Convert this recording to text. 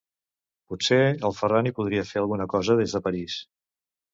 Potser el Ferran hi podria fer alguna cosa des de París.